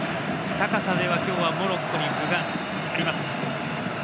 高さでは、今日はモロッコに分があります。